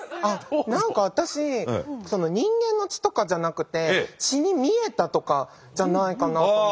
何か私その人間の血とかじゃなくて血に見えたとかじゃないかなと思って。